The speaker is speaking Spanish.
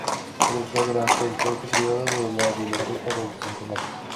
Fue director durante un corto periodo de la Biblioteca del Centenario.